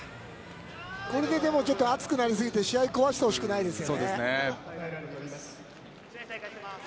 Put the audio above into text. これで、でも熱くなりすぎて試合を壊してほしくないですね。